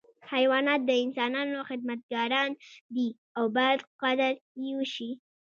حیوانات د انسانانو خدمتګاران دي او باید قدر یې وشي.